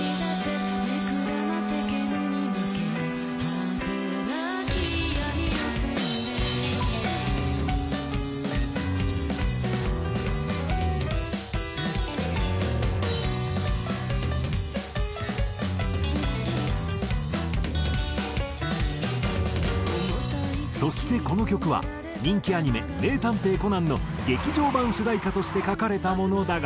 「果て無き闇の洗礼」そしてこの曲は人気アニメ『名探偵コナン』の劇場版主題歌として書かれたものだが。